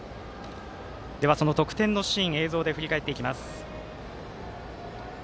その得点のシーン映像で振り返っていきます。